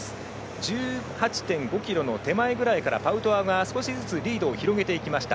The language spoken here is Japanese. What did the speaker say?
１８．５ｋｍの手前ぐらいからパウトワが少しずつリードを広げていきました。